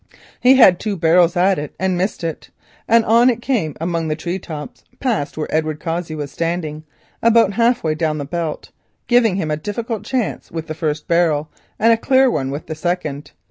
He loosed two barrels at it and missed, and on it came among the tree tops, past where Edward Cossey was standing, about half way down the belt, giving him a difficult chance with the first barrel and a clear one with the second.